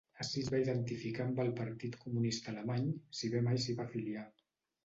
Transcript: Ací es va identificar amb el Partit Comunista Alemany si bé mai s'hi va afiliar.